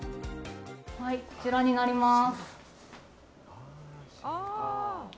はい、こちらになります。